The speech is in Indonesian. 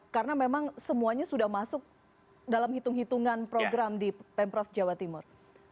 karena memang semuanya sudah masuk dalam hitung hitungan program di pemprov jawa timur